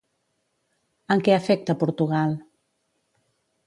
En què afecta Portugal?